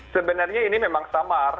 sebenarnya ini memang samar